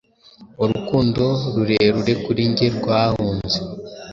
Urukundo rurerure kuri njye rwahunze